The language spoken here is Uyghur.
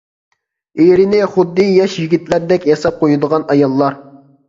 ئېرىنى خۇددى ياش يىگىتلەردەك ياساپ قويىدىغان ئاياللار.